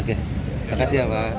terima kasih pak